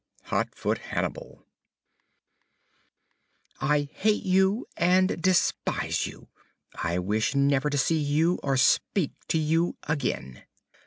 HOT FOOT HANNIBAL "I hate you and despise you! I wish never to see you or speak to you again!"